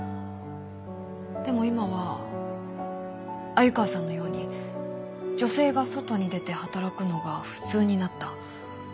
でも今は鮎川さんのように女性が外に出て働くのが普通になった。